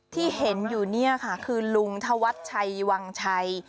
ที่เห็นอยู่เนี่ยค่ะคือลุงธวัชชัยวังชัย